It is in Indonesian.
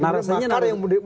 narasinya narasi politik